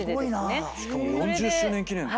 しかも４０周年記念だ。